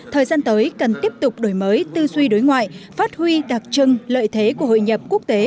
thời gian tới cần tiếp tục đổi mới tư duy đối ngoại phát huy đặc trưng lợi thế của hội nhập quốc tế